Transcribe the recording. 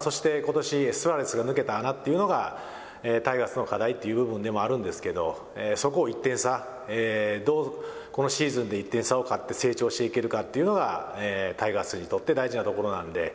そして、ことしスアレスが抜けた穴というのがタイガースの課題という部分でもあるんですけれども、そこを１点差、どうこのシーズンで１点差を勝って成長していけるかというのがタイガースにとって大事なところなんで。